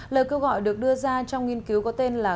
lời kêu gọi được đưa ra trong nghiên cứu có tên là